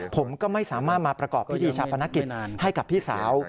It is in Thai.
ผมก็ไม่สามารถมาประกอบพิธีชาปนกิจให้กับพี่สาว